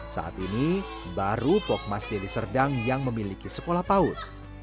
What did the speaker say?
saat ini baru pokmas deli serdang yang memiliki sekolah paut